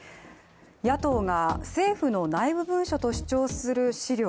野党が、政府の内部文書と主張する資料。